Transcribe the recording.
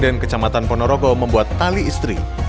dan kecamatan ponorogo membuat tali istri